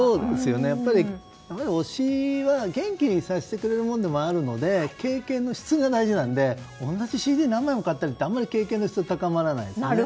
推しは元気にさせてくれるものでもあるので経験の質が大事なので同じＣＤを何枚も買ってもあんまり経験の質は高まらないですね。